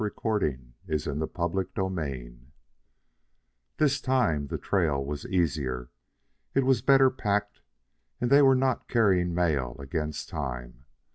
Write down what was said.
Burning daylight!" CHAPTER VII This time the trail was easier. It was better packed, and they were not carrying mail against time.